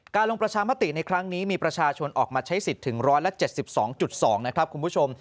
ลงประชามติในครั้งนี้มีประชาชนออกมาใช้สิทธิ์ถึง๑๗๒๒นะครับคุณผู้ชม